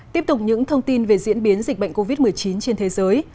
tiếp tục những thông tin về diễn biến dịch bệnh covid một mươi chín trên thế giới